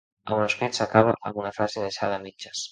El manuscrit s'acaba amb una frase deixada a mitges.